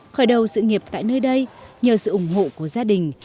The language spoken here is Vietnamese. khởi đầu sự nghiệp tại nơi đây nhờ sự ủng hộ của gia đình